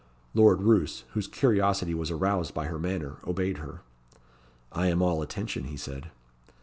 Lord Roos, whose curiosity was aroused by her manner, obeyed her. "I am all attention," he said.